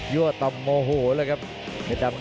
ั่วต่อมโมโหเลยครับ